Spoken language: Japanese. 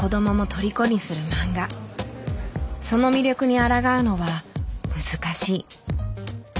その魅力にあらがうのは難しい。